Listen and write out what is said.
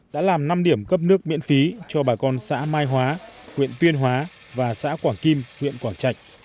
đã làm năm điểm cấp nước miễn phí cho bà con xã mai hóa huyện tuyên hóa và xã quảng kim huyện quảng trạch